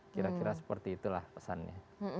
kira kira seperti itulah pesannya